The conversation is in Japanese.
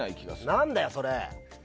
何だよそれ！